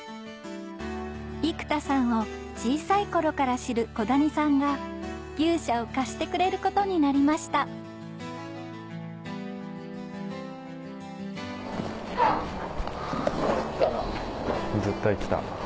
生田さんを小さい頃から知る小谷さんが牛舎を貸してくれることになりました来たな。